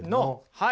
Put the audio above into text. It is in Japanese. はい。